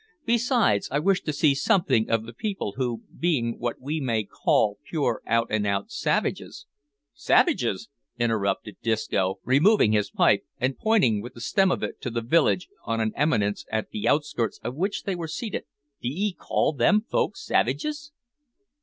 Besides, I wish to see something of the people, who, being what we may call pure out and out savages " "Savages!" interrupted Disco, removing his pipe, and pointing with the stem of it to the village on an eminence at the outskirts of which they were seated; "d'ee call them folk savages?"